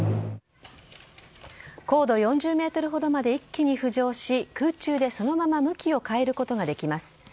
高度４０ｍほどまで一気に浮上し空中でそのまま向きを変えることができます。